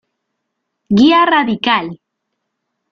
Guía radical.